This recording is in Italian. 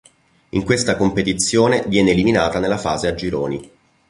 In questa competizione viene eliminata nella fase a gironi.